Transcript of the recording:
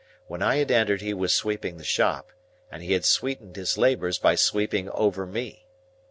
When I had entered he was sweeping the shop, and he had sweetened his labours by sweeping over me.